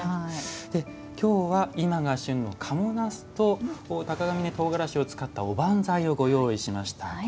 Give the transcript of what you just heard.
きょうは今が旬の賀茂なすと鷹峯とうがらしを使ったおばんざいをご用意しました。